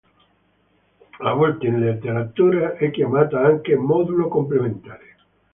A volte in letteratura è chiamata anche "modulo complementare".